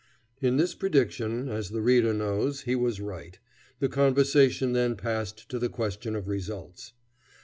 In this prediction, as the reader knows, he was right. The conversation then passed to the question of results.